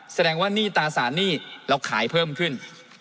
แสดงว่าหนี้ตราสารหนี้เราขายเพิ่มขึ้น